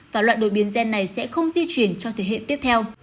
và loại đồ biến gen này sẽ không di chuyển cho thế hệ tiếp theo